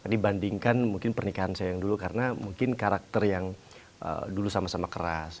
dibandingkan mungkin pernikahan saya yang dulu karena mungkin karakter yang dulu sama sama keras